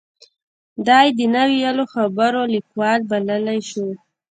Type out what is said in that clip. دای د نا ویلو خبرو لیکوال بللی شو.